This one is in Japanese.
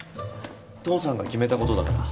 父さんが決めたことだから。